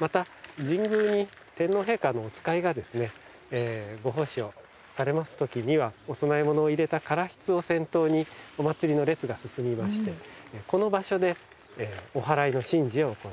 また神宮に天皇陛下のお使いがご奉仕をされますときにはお供え物を入れた唐ひつを先頭にお祀りの列が進みましてこの場所でおはらいの神事を行う。